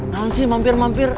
ngapain sih mampir mampir